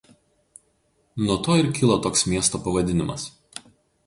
Nuo to ir kilo toks miesto pavadinimas.